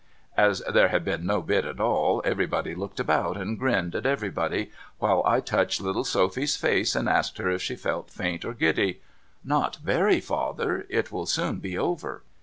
As there had been no bid at all, everybody looked about and grinned at everybody, while I touched little Sophy's face and asked her if she felt faint, or giddy. ' Not very, father. It will soon be over.'